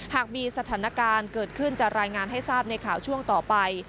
หากมีสถานการณ์เกิดขึ้นจะรายงานให้ทราบในข่าวช่วงต่อไป